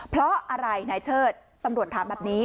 เพราะอะไรนายเชิดตำรวจถามแบบนี้